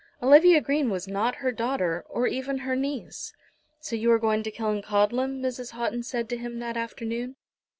Olivia Green was not her daughter, or even her niece. "So you are going to Killancodlem?" Mrs. Houghton said to him that afternoon.